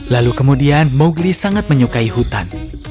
lalu kemudian mowgli sangat menyukai hutan